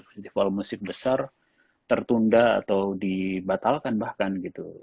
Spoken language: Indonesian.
festival musik besar tertunda atau dibatalkan bahkan gitu